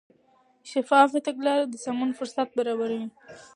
شفاف تګلاره د سمون فرصت برابروي.